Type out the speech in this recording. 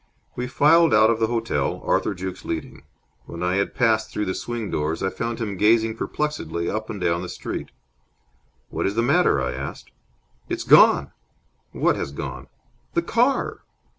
We filed out of the hotel, Arthur Jukes leading. When I had passed through the swing doors, I found him gazing perplexedly up and down the street. "What is the matter?" I asked. "It's gone!" "What has gone?" "The car!"